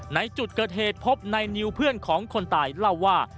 ในจุดเกิดเหตุพบในนิวเพื่อนของคนตายเล่าว่า